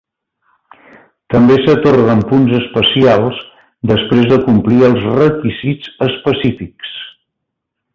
També s'atorguen punts especials després de complir els requisits específics.